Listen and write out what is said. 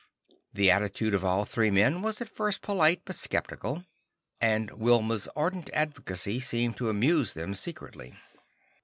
The attitude of all three men was at first polite but skeptical, and Wilma's ardent advocacy seemed to amuse them secretly.